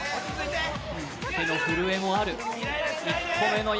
手の震えもある。